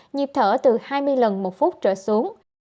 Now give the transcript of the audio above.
nhịp thở từ hai mươi lần một phút trở xuống